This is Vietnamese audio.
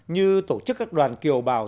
như tổ chức các đoàn kiều bào